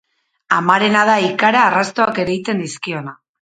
Amarena da ikara arrastoak ereiten dizkiona.